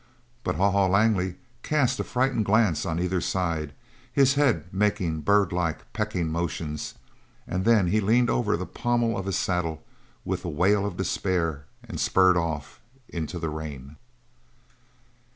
But Haw Haw Langley cast a frightened glance on either side; his head making birdlike, pecking notions, and then he leaned over the pommel of his saddle with a wail of despair and spurred off into the rain.